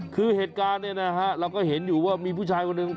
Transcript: คือเหตุการณ์เนี่ยนะฮะเราก็เห็นอยู่ว่ามีผู้ชายคนหนึ่ง